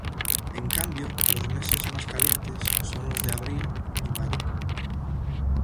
En cambio los meses más calientes son los de Abril y Mayo.